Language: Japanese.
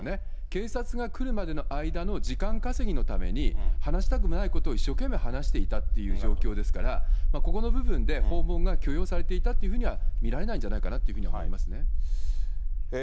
警察が来るまでの間の時間稼ぎのために話したくもないことを一生懸命話していたという状況ですから、ここの部分で訪問が許容されていたっていうふうには見られないんじゃないかなというふうに思いますね。